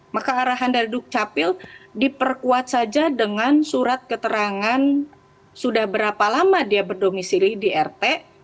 maka arahan dari dukcapil diperkuat saja dengan surat keterangan sudah berapa lama dia berdomisili di rt